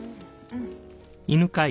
うん。